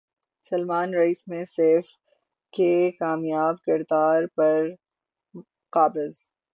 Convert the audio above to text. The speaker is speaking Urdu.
سلمان ریس میں سیف کے کامیاب کردار پر قابض